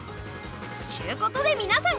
ちゅうことでみなさん